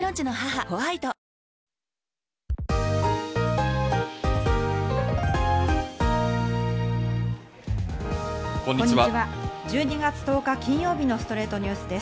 １２月１０日、金曜日の『ストレイトニュース』です。